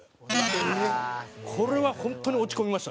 これは本当に落ち込みましたね。